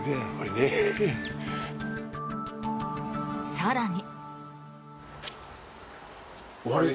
更に。